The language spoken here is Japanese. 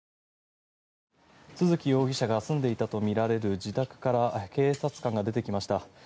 都築容疑者が住んでいたとみられる自宅から警察官が出てきました。